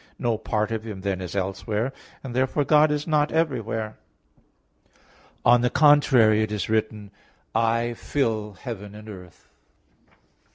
No part of Him then is elsewhere; and therefore God is not everywhere. On the contrary, It is written, "I fill heaven and earth."